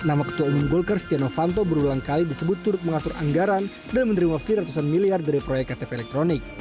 nama ketua umum golkar stiano fanto berulang kali disebut turut mengatur anggaran dan menerima fear ratusan miliar dari proyek ktp elektronik